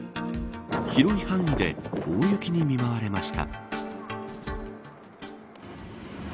広い範囲で大雪に見舞われました。